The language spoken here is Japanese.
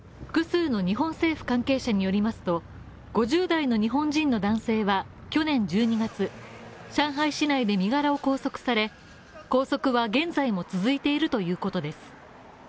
複数の日本政府関係者によりますと、５０代の日本人の男性は去年１２月、上海市内で身柄を拘束され拘束は現在も続いているということです。